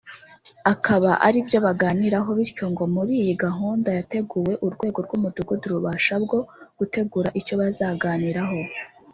akaba ari byo baganiraho bityo ngo muri iyi gahunda yateguwe urwego rw’umudugudu rubasha bwo gutegura icyo bazaganiraho